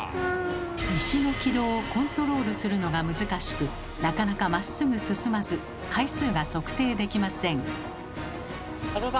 石の軌道をコントロールするのが難しくなかなかまっすぐ進まず回数が測定できません。